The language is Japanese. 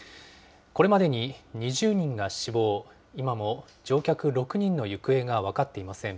これまでに２０人が死亡、今も乗客６人の行方が分かっていません。